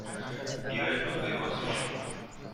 بیایید دوتایی بازی کنیم.